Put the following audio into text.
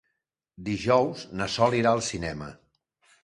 Dijous na Sol irà al cinema.